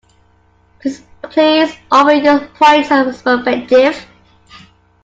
Please offer your points and perspectives.